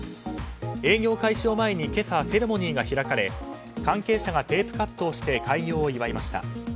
営業開始を前に今朝、セレモニーが開かれ関係者がテープカットをして開業を祝いました。